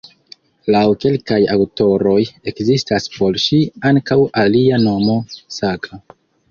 Laŭ kelkaj aŭtoroj ekzistas por ŝi ankaŭ alia nomo "Saga".